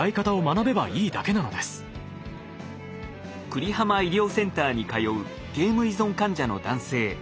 久里浜医療センターに通うゲーム依存患者の男性。